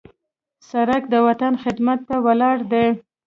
سړک د وطن خدمت ته ولاړ دی.